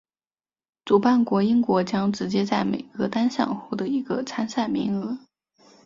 主办国英国将直接在每个单项获得一个参赛名额。